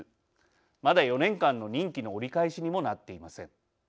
まだ４年間の任期の折り返しにもなっていません。